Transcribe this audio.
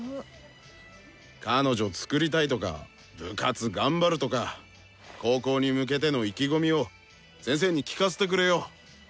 「彼女作りたい」とか「部活頑張る」とか高校に向けての意気込みを先生に聞かせてくれよ！